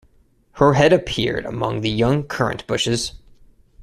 Her head appeared among the young currant-bushes.